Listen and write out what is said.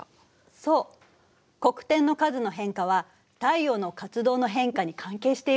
そう黒点の数の変化は太陽の活動の変化に関係しているの。